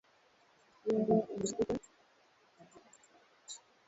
yaya amekuja